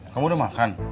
kamu udah makan